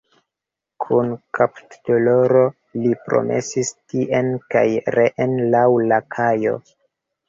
Kun kapdoloro li promenis tien kaj reen laŭ la kajo.